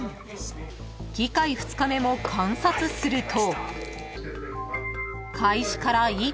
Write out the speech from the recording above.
［議会２日目も観察すると］